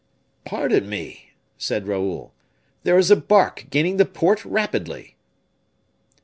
"Pardon me," said Raoul, "there is a bark gaining the port rapidly."